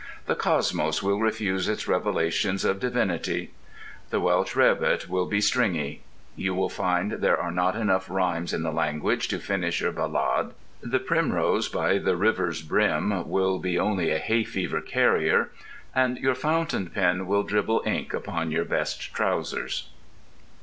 —the cosmos will refuse its revelations of divinity—the Welsh rabbit will be stringy—you will find there are not enough rhymes in the language to finish your ballade—the primrose by the river's brim will be only a hayfever carrier—and your fountain pen will dribble ink upon your best trousers.